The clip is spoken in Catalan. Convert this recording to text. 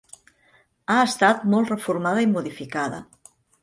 Ha estat molt reformada i modificada.